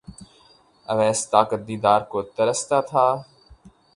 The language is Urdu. اویس طاقت دیدار کو ترستا تھا